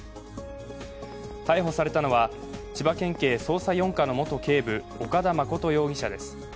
逮捕されたのは千葉県警捜査４課の元警部、岡田誠容疑者です。